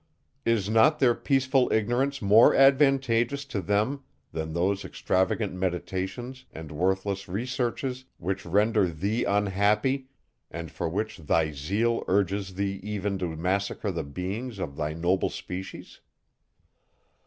Is not their peaceful ignorance more advantageous to them, than those extravagant meditations and worthless researches, which render thee unhappy, and for which thy zeal urges thee even to massacre the beings of thy noble species?